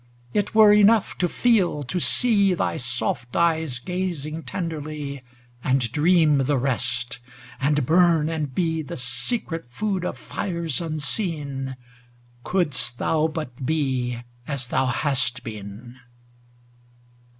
II It were enough to feel, to see Thy soft eyes gazing tenderly, And dream the rest ŌĆö and burn and be The secret food of fires unseen, Couldst thou but be as thou hast been.